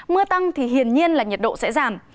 mưa tăng thì hiển nhiên là nhiệt độ sẽ giảm